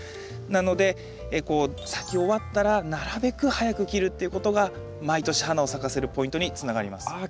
なので咲き終わったらなるべく早く切るっていうことが毎年花を咲かせるポイントにつながります。